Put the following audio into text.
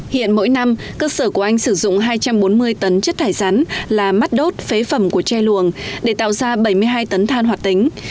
hiện mỗi năm cơ sở của anh sử dụng hai trăm bốn mươi tấn chất thải rắn là mắt đốt phế phẩm của tre luồng để tạo ra bảy mươi hai tấn than hoạt tính